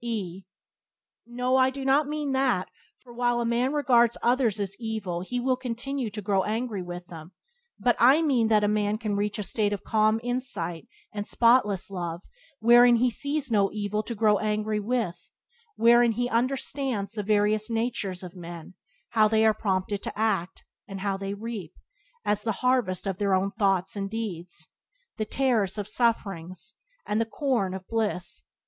E No, I do not mean that, for while a man regards others as evil he will continue to grow angry with them; but I mean that a man can reach a state of calm insight and spotless love wherein he sees no evil to grow angry with, wherein he understands the various natures of men — how they are prompted to act, and how they reap, as the harvest of their own thoughts and deeds, the tares 1 of sufferings and the corn of bliss.